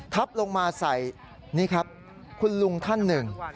ทับลงมาใส่นี่ครับคุณลุงท่านหนึ่ง